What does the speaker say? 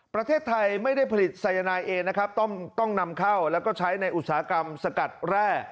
ประเทศไทยไม่ได้ผลิตสายนายเองนะครับต้องนำเข้าแล้วก็ใช้ในอุตสาหกรรมสกัดแร่